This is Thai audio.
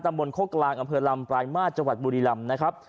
ตำบลโคกราญอำเภอลำปลายมาชจบุรีลำนะครับ